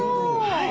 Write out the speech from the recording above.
はい。